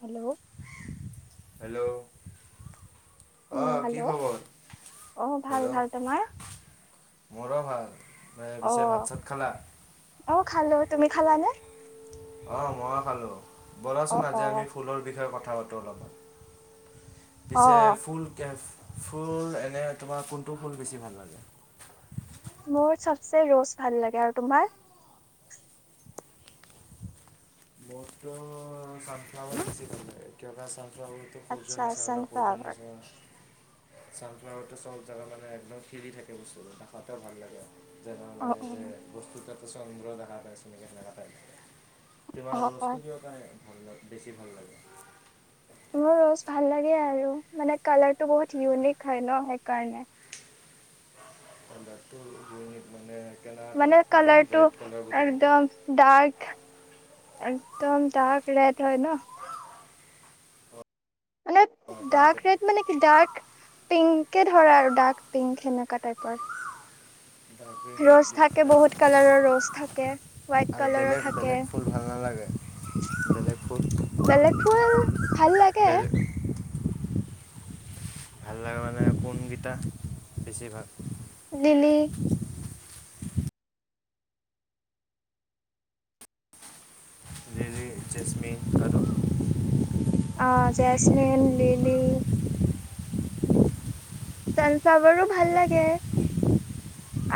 Hello hello আহ কি খবৰ হেল্ল' মোৰ ভাল। পিছে ভাত চাত খালা? খালানে? অ মই খালো। বলাচোন আজি আমি ফুলৰ বিষয়ে কথা পাতো। অলপমান। পিছে ফুল কেছ ফুল এনে তোমাৰ কোনটো ফুল বেছি ভাল লাগে। মোৰ চবচে ৰচ ভাল লাগে। আৰু তোমাৰ? মোক টো চানফ্লাৱাৰ বেছি ভাল লাগে তো প্ৰোৰ নিচান ন প্ৰোৰ নিচিনা। ছানফ্লাৱাৰতটো চব জেগা মানে একদম খিৰি থাকে বস্তুটো দেখাতেও ভাল লাগে আৰু। য লে যে বস্তু চন্দ্ৰ দেখা পাইছে [unintelligible] [inaudible] মোৰ ৰজ ভাল লাগে আৰু। মানে কালাৰটো বহুত ইউনিক হয় ন সেইকাৰণে। [inaudible] মানে কালাৰটো একদম ডাৰ্ক একদম ডাৰ্ক। ৰেট হয় ন। ম ডাৰ্ক ৰেড মানে কি ডাৰ্ক পিংকে ধৰা আৰু ডাৰ্ক পিংক সেনেকুৱা টাইপৰ ৰচ থাকে বহুত কালাৰৰ ৰচ থাকে। তে আৰু বেলেগ বেলেগ ফুল ভাল নালাগে? স [unintelligible] [unintelligible] ভাল লাগে মানে কোনকেইটা বেছি ভাল? দিলি অ জেস্মিন, লিলি ছানফ্লাৱাৰো ভাল লাগে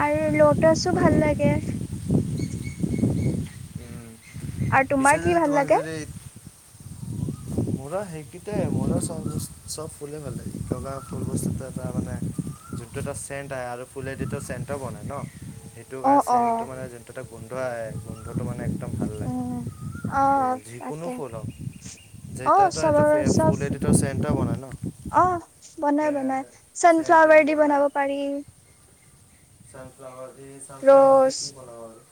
আৰু লটাছো ভাল লাগে। আৰু তোমাৰ কি ভাল লাগে? মোৰ সেইকেইট মোৰ চব চব ফুলে ভাল লাগো। ফুল বস্তুটো এটা মানে যোনটো এটা চেণ্ট আহে আৰু ফুলেদি টো চেণ্ট বনাই ন? সেইটো কাৰণে চেনটো মৰা যোনটো এটা গোন্ধ আহে, গোন্ধটো মানে ভাল লাগে। অ তাকে অ চব চব অ বনাই বনাই চানফ্লাৱাৰ দি বনাব পাৰি। চনফ্লাৱাৰ এই চানফ্লাৱাৰ দি কি বনাব পাৰোঁ?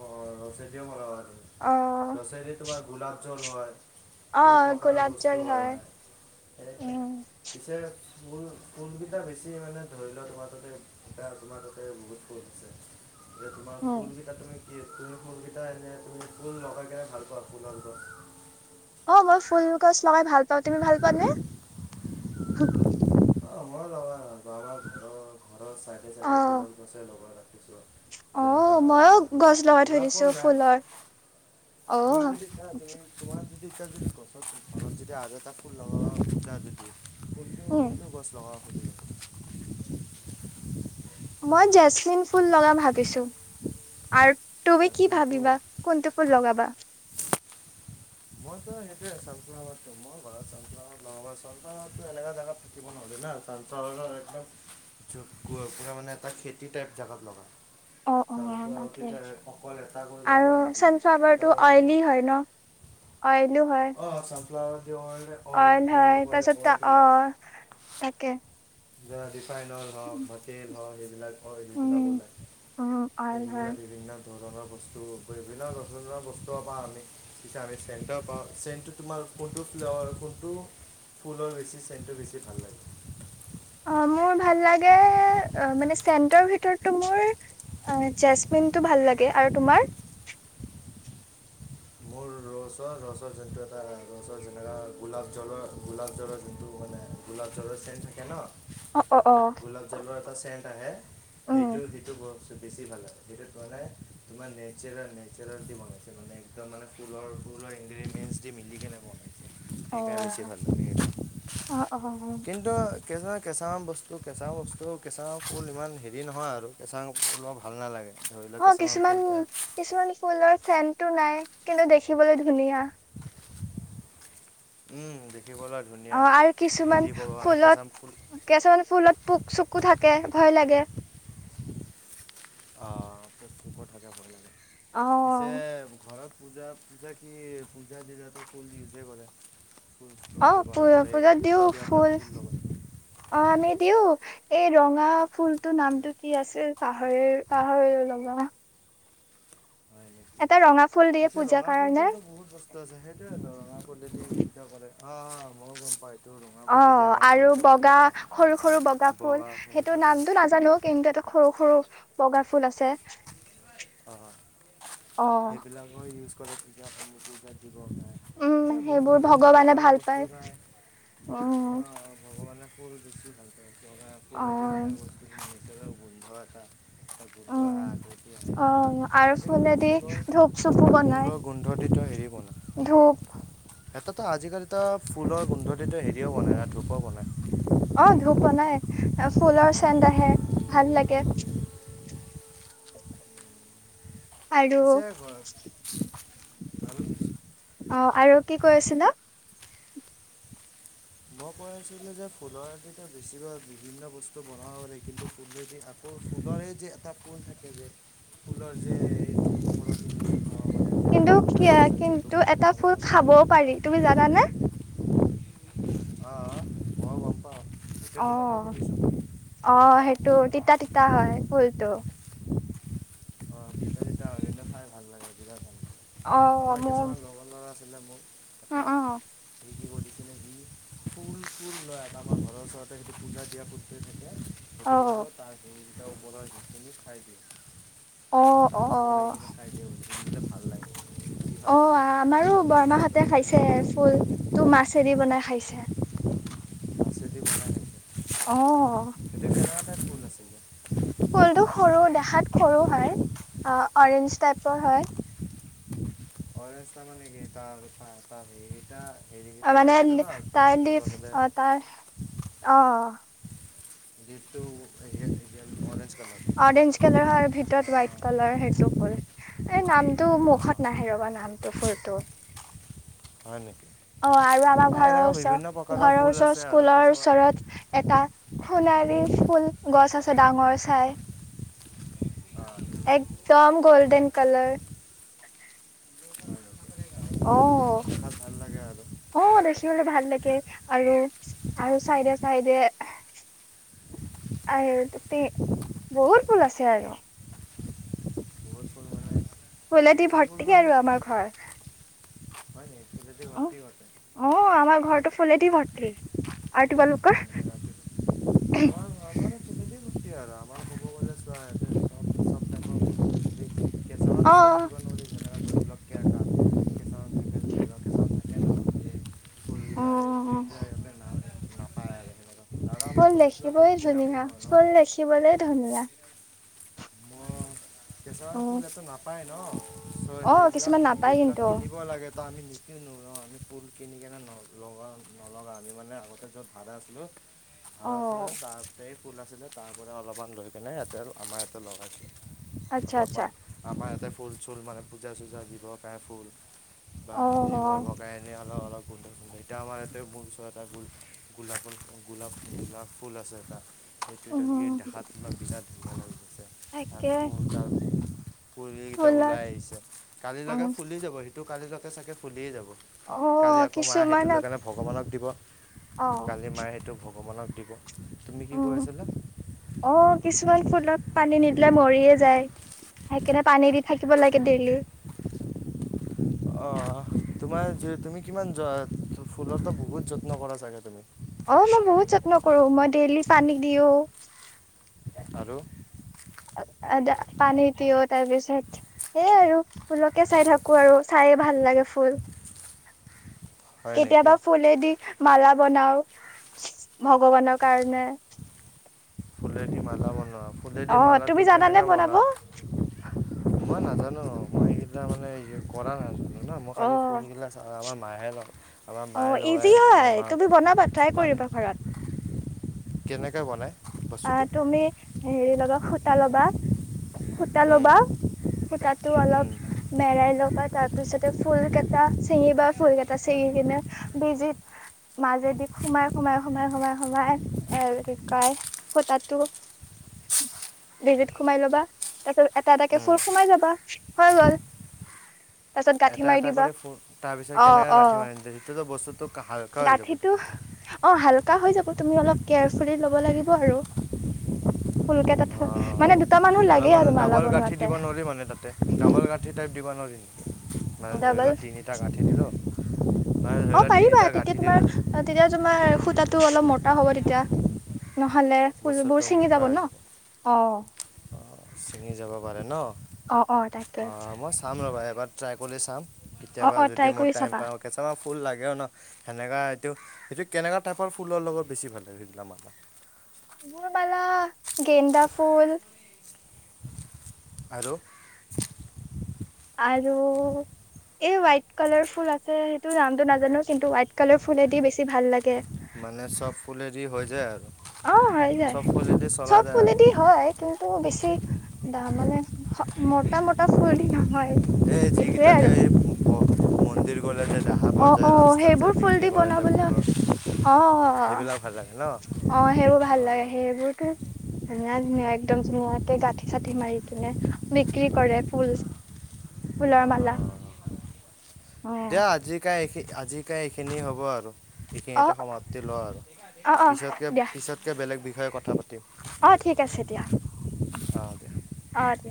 অ ৰচে দিয়ো বনাব ৰছে দি তোমাৰ গোলাপ জল হয়, বহুত প্ৰকাৰৰ বস্তু হয় মানে, পিছে? মুল ফুলকেইটা বেছি মানে ধৰি লোৱা তোমাৰ ততে ক তোমাৰ ততে বহুত কোনছে। এ তোমাৰ ফুলকেইটা তুমি? কি তুমি কোনকেইটা এনেই তুমি ফুল লগাই [unintelligible] ভাল পোৱা ফুলৰ গছ? অ, মই ফুল গছ লগাই ভাল পাওঁ তুমি ভাল পোৱা নে? অ, মইও লগাই ব আমাৰ ঘৰৰ, ঘৰৰ চাইডে, চাইডে ফুলৰ গছে লগাই ৰাখিছোঁ যেনেকুৱা তোমাৰ গোলাপ, গোলাপ ফুল নাই, তুমি যদি চোৱা [inaudible] [unintelligible] [inaudible] কোনটোও, কোনটোও গছ লগাওঁ। মই জেচলিন ফুল লগাম ভাবিছো, আৰু? তুমি কি ভাবিবা, কোনটো ফুল লগাবা? মইতো সেইটোৱে চানফ্লোৱাৰ। মই ঘৰত চানফ্লোৱাৰ লগ চানফ্লোৱাৰ এনেকে জেগাত থাকিব নহলে ন, চানফ্লোৱাৰ একদম পোৰা মানে এটা খেতি টাইপ জোগাত লগাম। অ', অ', অ', তাকেই। আৰু চানফ্লাৱাৰটো অইলি হয় ন, অইল? লো‌ হয়। ফ্লাৱাৰ অ, নহয় তাৰপিছত অ, তাকে। যা দিছোঁ। ৰিফাইনল অইল হক বা টেল হক। বিলাক অ, এই বিলাক ওলায় এই বিলাক বিভিন্ন ধৰণৰ বস্তু বিভিন্ন ধৰণৰ বস্তুৱো পাওঁ, আমি পিছে আমি চেণ্টৰ পাওঁ, চেণ্টটো তোমাৰ কোনটো ফ্লেৱাৰ কোনটো ফুলৰ বেছি চেণ্টটো বেছি ভাল লাগে? অ, মোৰ ভাল লাগে মানে চেণ্টৰ ভিতৰতটো মোৰ জেচমিনটো ভাল লাগে। আৰু তোমাৰ? মোৰ ৰছৰ, ৰছৰ যোনটো এটা ৰছৰ যেনেকুৱা গোলাপ জলৰ, গোলাপ জলৰ যোনটো মানে গোলাপ জলৰ চেট থাকে ন? গোলাপ জালৰ এটা চেণ্ট আহে, সেইটো সিটো। চ বেছি ভাল লাগে। সেইটোত বনাই তোমাৰ নেচাৰেল, নেচাৰেল দি বনাইছে মানে। তাৰ মানে ফুলৰ, ফুলৰ ইনগ্ৰেডিয়েটছ দি মিলি কেনে বনুৱাই। সেইকাৰ বেছি ভাল লাগে। কিন্তু কেঁচা বস্তু, কেঁচা বস্তু, কেঁচা ফুল ইমান হেৰি নহয় আৰু কেঁচা ফুলোৰ ভাল নালাগে। অ, কিছুমান, কিছুমান ফুলৰ চেন- টো নাই, কিন্তু দেখিবলৈ ধুনীয়া। উম দেখি অ আৰু কিছুমান ফুলত কিছুমান ফুলত পোক চকু থাকে। ভয় লাগে অ পোক চোকো থাকে ভয় লাগে পিছে ঘৰত পূজা পূজা কি পূজা দিনাটো ফুল ইউজেই কৰে অ প পূজাত দিওঁ ফুল অ আমি দিওঁ এই ৰঙা ফুলটোৰ নামটো কি আছিল পাহৰি পাহৰিয়ে গলো ৰবা হয় নেকি পিছে ৰঙা ফুলটোতো বহুত বস্তু আছে সেইটোৱে তো ৰঙা ফুলেদি পূজা কৰে অ অ মোয়ো গম পাওঁ এটো অ আৰু বগা সৰু সৰু বগা ফুল সেইটো নামটো নাজানো কিন্তু এ সৰু সৰু বগা ফুল আছে অ' সেইবিলাক মই ইউজ [unintelligible] প বহুত বিভিন্ন প্ৰকাৰৰ বস্তু নাই ভগৱানে সৰু বছি ভাল পায়। মানে বস্তুখিনি [unintelligible] [unintelligible] অ আৰু ফুলেদি ধূপ চপু বনাই ধূপ। সহঁতেতো আজাকালিতো ফুলৰ গোন্ধটিতটো হেৰিও বনায় আৰু ধূপো বনায়। অ ধূপনাই ফুলৰ চেন্ট আহে ভাল লাগে। [unintelligible] আৰু অ আৰু কি কৈ আছিলো। মই কৈ আছিলো যে ফুলৰো বেছিকৈ বিভিন্ন বস্তু বনাব কিন্তু ফুল যদি আকৌ ফুলৰে যে এটা ফুল থাকে যে ফুলৰ যে তুমি জানা নে? অ, অ পম পাওঁ। এতিয়া তোমাকো সুধিছো। তটো তিতা তিতা হয় ফুলটো। অ, ম ল'ৰা আছিলে মোৰ এটা ইউটিউবত কিনে সি ফুল চুল লয় আমাৰ ঘৰৰ ওচৰতে সেইটো পূজা দিয়া কৰূ্ত থাকে। খতি ল'ব তাৰ হেৰি তেওঁ বৰ যোখিনি চাই দিয়ে। তাৰপ এইখিনি খাইদ উ তে ভাল লাগে। অ, আমাৰো। বৰমাহতে খাইছে ফুল তোৰ মাছ দি বনাই খাই। [unintelligible] অ। ফুলটো সৰু দেখাত সৰু হয় অ অৰেঞ্জ টাইপৰ হয়। [unintelligible] মানে ট্ৰালিপ অ তাৰ অ। [unintelligible] অৰেঞ্জ কালাৰ হয় ভিতৰত হোৱাইট কালাৰ সেইটো ফুল এই নামটো মুখত নাহে ৰবা নাম। [unintelligible] হয় নেকি। অ আৰু আমাৰ ঘৰৰ ওচৰ ঘৰৰ ওচৰৰ স্কুলৰ ওচৰত এটা সোণালী ফুল গছ আছে। ডাঙৰ চাই অহঁ একদম গল্ডেন কালাৰ অহঁ অহঁ দেখিবলৈ ভাল লাগে আৰু আৰু চাইডে চাইডে আৰু এটি বহুত ফুল আছে আৰু কলেদি ভৰ্তিকে আৰু আমাৰ ঘৰ অহঁ অহঁ আমাৰ ঘৰটো ফুলে দি ভৰটি আৰু তোমালোকৰ অহঁ [inaudible] উম ফুল দেখিবই ধুনীয়া ফুল দেখিবলৈ ধুনীয়া। এটা ফুল আছে নাপায় নহ ত সেইবিলাক সেইবিলাক কিনিব লাগে। তো আমি নিকিনো নহঁ আমি ফুল কিনিকেনে নলা লগাওঁ নলগাওঁ মানে আমি মানে আগতে য'ত ভাড়া আছিলোঁ- ভাড়া আছিলে তাহাঁতে ফুল আছিলে তাৰ পৰা অলপমান লৈ পেলাই ইয়াতে আৰু আমাৰ ইয়াতে লগাইদিলোঁ। অলপ মান আমাৰ ইয়াতে। ফুল চুল মানে পূজা চূজা দিব পাৰে ফুল বা সেতি ঘৰ বকাই এনে হলেও অলপ কে সেইটো আমাৰ ইয়াতে এটা ফুল গোলাপৰ গোলাপ ফুল আছে এটা সেইটো এটা কি দেখাত তোমাক বিৰাত [unintelligible] [unintelligible] পৰি কেইটা ওলাই আহিছে কালি লাগে ফুলি যাব সেইটো কালিলৈকে চাগে ফুলিয়েই যাব কালি আকৌ মায়ে সেইটো লৈ কেনে ভগৱানক দিব কালি মায়ে সেইটো ভগৱানক দিব। উ অহঁ, কিছুমান ফুুলত পানী নিদিলে মৰিয়ে যায়। সেইকাৰনে পানী দি থাকিব লাগে দেইলি। অ তোমাৰ তুমি কিমান ফুলৰটো বহুত যত্ন কৰা চাগে তুমি। অ মই বহুত যত্ন কৰো মই ডেইলি পানী দিওঁ পানী দিওঁ তাৰ পিছত, সেইয়া আৰু ফুলকে চাই থাকো আৰু চাইয়ে ভাল লাগে ফুল। কেতিয়াবা ফুলেদি। মালা বনাওঁ ভগৱানৰ কাৰণে। ফুুলে দি মালা বনোৱা? অ তুমি জানানে? বনাব মই নাজানো মই এইবিলাক মানে কৰা নাই। ন মই খালি ফুল বিলাক চাওঁ অলপ। মায়ে ল। অ ইজি হয় তুমি বনাবা ট্ৰাই কৰিবা ঘৰত। কেনেকে বনাই? অ তুমি হেৰি লবা সূতা লবা। সূতা ল'বা সূতাটো অলপ। মেৰাই ল'বা তাৰ পিছতে ফুল কেইটা চিঙিবা। ফুল কেইটা চিঙি কিনে বেজিত মাজেদি সোমাই সোমাই সোমাই সোমাই সোমাই আৰু কি কয়। ফুটাতটো বেজিত সোমাই লবা। তাৰ পিছত এটা এটাকে ফুল সোমাই যাবা হৈ গ'ল। এটা এটা কৰি ফ তাৰপিছত কেনেকৈ গাঁঠি মাৰি নিয়ে সিটো বস্তুটো হালকা হৈ যাব দেখোন। কেয়াৰফুলি ল'ব লাগিব আৰু। ফুলকটাত মানে দু। অলপ মানে ডাবল গাঠি দিব নোৱাৰি মানে তাতে ডাবল গাঠি টাইপ দিব নোৱাৰি? [unintelligible] ডাবল অ পাৰিবা তেতিয়া তোমাৰ তেতিয়া তোমাৰ সূতাটো অলপ ম এটা হ'ব তেতিয়া। নহলে ফুলবোৰ ছিঙি যাব ন অ। পাৰে ন। অ অ তাকে। মই এবাৰ ট্ৰাই কৰি চাম। কেতিয়াবা যদি মোৰ টাইম পাওঁ তে চাওঁ। ফুল লাগেও ন সেনেকা এইটো সেইটো কেনেকুৱা টাইপৰ ফুলৰ লগত বেছি ভাল লাগে? তাৰ মানে মোৰ মেলা। গেন্দা ফুল। আৰু। আৰু এই হোৱাইট কালাৰ ফুল আছে সেইটো নামটো নাজানো কিন্তু হোৱাইট কালাৰ ফুলে দি বেছি ভাল লাগে। মানে চব ফুল এৰি হৈ যায় আৰু। অ হৈ যায় চব ফুলদি হয় কিন্তু বেছি দাম মানে। মোৰ। মোটা মোটা চুলি নহয় সেইটয়ে আৰু। অ অ সেইবোৰ ফুল দি বনাবলৈ অ অ সেইবোৰ ভাল লাগে সেইবোৰতো ধুনীয়া ধুনীয়া একদম ধুনীয়াকে গাঁঠি চাঠি মাৰি কিনে। বিক্ৰী কৰে ফুল ফুলৰ মালা। দিয়া আজি কাই। আজিকে এইখিনি হ'ব আৰু। এইখিনিতে সমাপ্তি লওঁ আৰু পিছত পিছতকৈ বেলেগ বিষয়ে কথা পাতিম অ অ